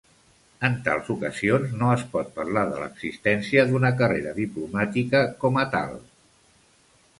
En tals ocasions no es pot parlar de l'existència d'una carrera diplomàtica com a tal.